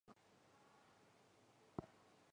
阿巴扎。